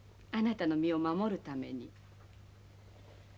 あなたの身を守るために。